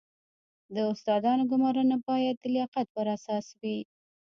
د استادانو ګمارنه باید د لیاقت پر اساس وي